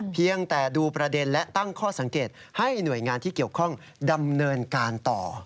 เพียงแต่ดูประเด็นและตั้งข้อสังเกตให้หน่วยงานที่เกี่ยวข้องดำเนินการต่อ